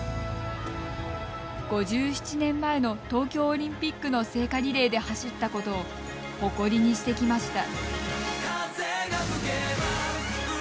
５７年前の東京オリンピックの聖火リレーで走ったことを誇りにしてきました。